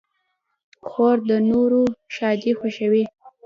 خور د نورو ښادۍ خوښوي.